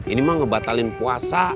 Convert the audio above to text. ini mah ngebatalin puasa